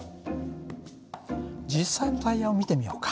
実際のタイヤを見てみようか。